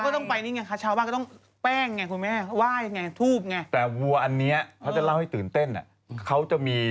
ของเขาเอาควายลูกกรอกเนี่ยเพราะถ้าเป็นฟ้าผ่าตาย